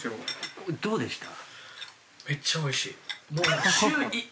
どうでした？